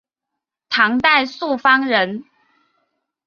唐代朔方人。